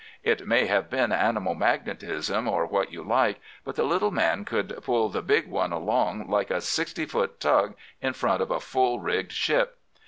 It may have been animal magnetism or what you like, but the little man could pull the big one along like a sixty foot tug in front of a full rigged ship.